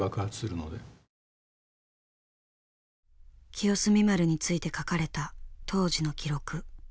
清澄丸について書かれた当時の記録。